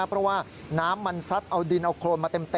เพราะว่าน้ำมันซัดเอาดินเอาโครนมาเต็ม